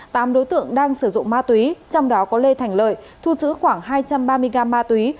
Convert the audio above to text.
tám đối tượng đang sử dụng ma túy trong đó có lê thành lợi thu giữ khoảng hai trăm ba mươi gram ma túy